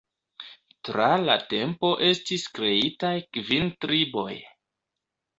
Tra la tempo estis kreitaj kvin triboj.